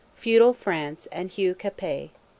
FEUDAL FRANCE AND HUGH CAPET.